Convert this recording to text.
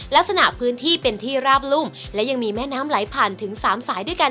ลักษณะพื้นที่เป็นที่ราบรุ่มและยังมีแม่น้ำไหลผ่านถึง๓สายด้วยกัน